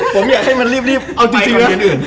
ผมอยากให้มันรีบเอาจริงนะ